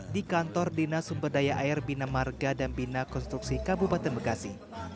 di kantor dinas sumber daya air bina marga dan bina konstruksi kabupaten bekasi